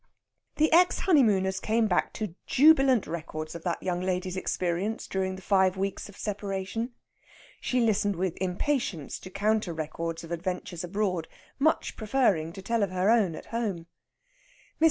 The ex honeymooners came back to jubilant records of that young lady's experience during the five weeks of separation. She listened with impatience to counter records of adventures abroad, much preferring to tell of her own at home. Mr.